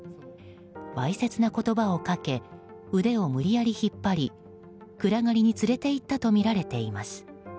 わいせつな言葉をかけ腕を無理やり引っ張り暗がりに連れていったとみられています。